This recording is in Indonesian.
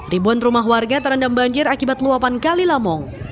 ribuan rumah warga terendam banjir akibat luapan kali lamong